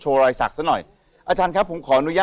สนุนโดยผลิตภัณฑ์เสิร์ฟอาหารคอลล่าเจน